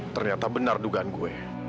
ternyata benar dugaan gue